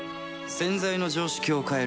洗剤の常識を変える